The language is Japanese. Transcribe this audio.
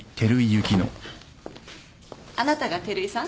あなたが照井さん？